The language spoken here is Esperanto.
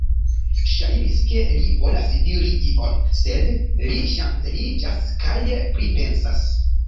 Ŝajnis, ke li volas diri ion, sed li ŝanceliĝas kaj pripensas.